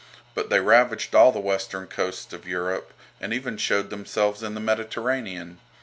But they ravaged all the western coasts of Europe, and even showed themselves in the Mediterranean.